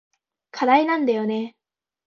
課題なんだよね。